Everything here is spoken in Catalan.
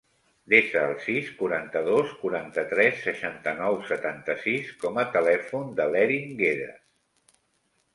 Desa el sis, quaranta-dos, quaranta-tres, seixanta-nou, setanta-sis com a telèfon de l'Erin Guedes.